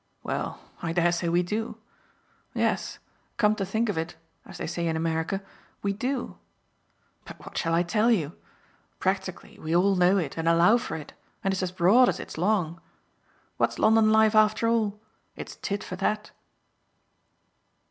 Well, I dare say we do. Yes, 'come to think of it,' as they say in America, we do. But what shall I tell you? Practically we all know it and allow for it and it's as broad as it's long. What's London life after all? It's tit for tat!"